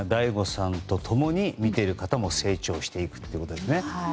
ＤＡＩＧＯさんと共に見ている方も成長していくということですね。